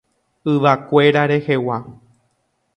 Yvakuéra rehegua.